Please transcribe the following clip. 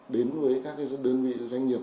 đến với các đơn vị doanh nghiệp